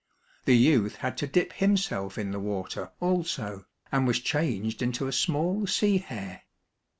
The youth had to dip himself in the water also, and was changed into a small sea hare.